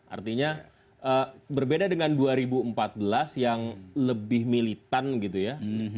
artinya berbeda dengan dua ribu empat belas yang lebih militan gitu ya